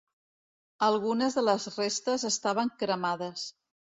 Algunes de les restes estaven cremades.